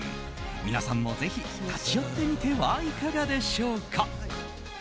皆さんも、ぜひ立ち寄ってみてはいかがでしょうか？